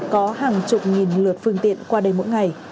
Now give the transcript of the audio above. có hàng chục nghìn lượt phương tiện qua đây mỗi ngày